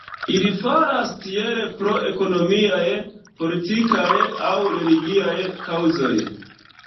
Ili faras tiel pro ekonomiaj, politikaj aŭ religiaj kaŭzoj.